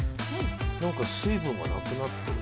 なんか水分がなくなってる。